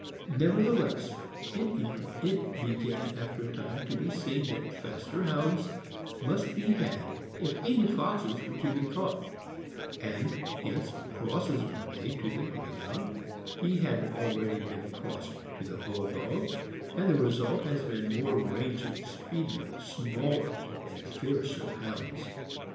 Never theless, in England, it began after a time to be seen that faster Hounds must be had if any foxes were to be caught, and hence crosses were made to the Greyhound, he having already been crossed to the Bulldog, and the result has been more rangy, speedier, smaller, and fiercer Hounds.